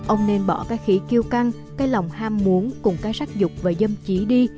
ông nên bỏ các khí kiêu căng cái lòng ham muốn cùng các sắc dục và dâm trí đi